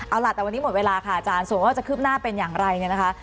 เอาล่ะแต่วันนี้หมดเวลาค่ะอาจารย์ส่วนว่าจะคืบหน้าเป็นอย่างไรเนี่ยนะคะ